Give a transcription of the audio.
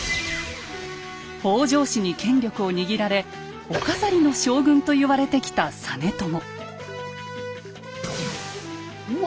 北条氏に権力を握られ「お飾りの将軍」と言われてきた実朝。